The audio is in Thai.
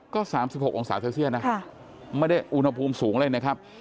ก็๓๖องศาเซลเซียสนะไม่ได้อุณหภูมิสูงเลยนะครับ